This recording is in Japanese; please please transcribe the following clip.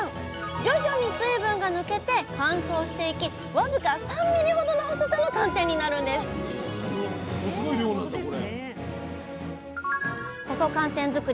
徐々に水分が抜けて乾燥していき僅か３ｍｍほどの細さの寒天になるんです細寒天作り